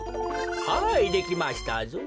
はいできましたぞ。